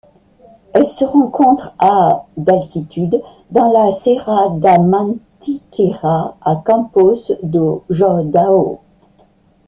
Elle se rencontre à d'altitude dans la Serra da Mantiqueira à Campos do Jordão.